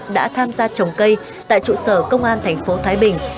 đã tham gia trồng cây tại trụ sở công an thành phố thái bình